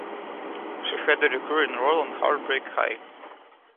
She had a recurring role on "Heartbreak High".